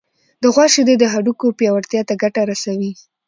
د غوا شیدې د هډوکو پیاوړتیا ته ګټه رسوي.